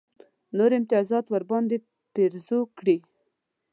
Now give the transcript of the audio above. نور امتیازات ورباندې پېرزو کړي.